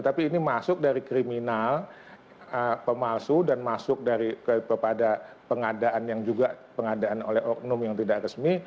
tapi ini masuk dari kriminal pemalsu dan masuk kepada pengadaan yang juga pengadaan oleh oknum yang tidak resmi